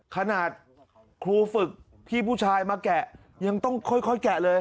ขนาดครูฝึกพี่ผู้ชายมาแกะยังต้องค่อยแกะเลย